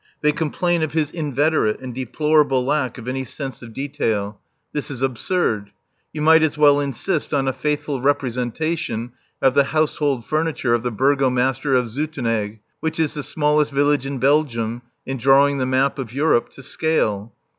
They complain of his inveterate and deplorable lack of any sense of detail. This is absurd. You might as well insist on a faithful representation of the household furniture of the burgomaster of Zoetenaeg, which is the smallest village in Belgium, in drawing the map of Europe to scale.